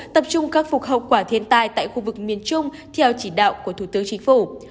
tập trung khắc phục hậu quả thiên tai tại khu vực miền trung theo chỉ đạo của thủ tướng chính phủ